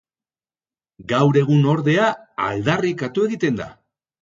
Gaur egun, ordea, aldarrikatu egiten da.